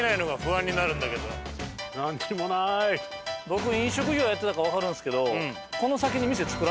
僕飲食業やってたからわかるんですけど。